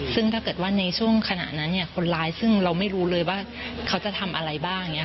ซึ่งถ้าเกิดว่าในช่วงขณะนั้นคนร้ายซึ่งเราไม่รู้เลยว่าเขาจะทำอะไรบ้าง